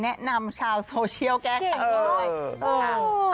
แนะนำชาวโซเชียลแกค่ะ